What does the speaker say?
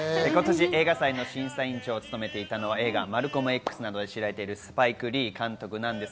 映画祭の審査員長を務めていたのは、映画『マルコムＸ』などで知られているスパイク・リー監督です。